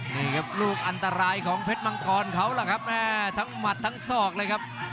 นี่ครับลูกอันตรายของเพชรมังกรเขาล่ะครับแม่ทั้งหมัดทั้งศอกเลยครับ